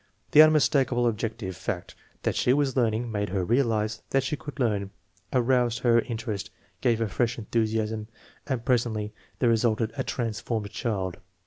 The unmistakable objective fact that she was learning made her realize that she could learn, aroused her in terest, gave her fresh enthusiasm, and presently there resulted a transformed child.